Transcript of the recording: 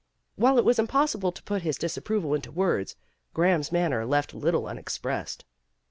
While it was impossible to put his dis approval into words, Graham's manner left little unexpressed.